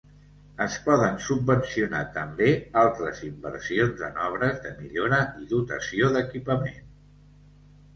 Es poden subvencionar també altres inversions en obres de millora i dotació d'equipament.